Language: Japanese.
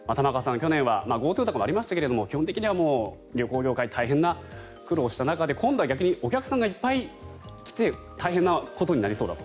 去年はＧｏＴｏとかもありましたが基本的には旅行業界は大変な苦労をした中で今度はお客さんがいっぱい来て大変なことになりそうだと。